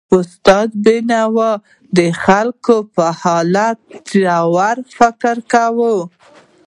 استاد بینوا د خلکو پر حالت ژور فکر کاوه.